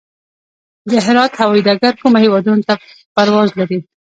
د هرات هوايي ډګر کومو هیوادونو ته پرواز لري؟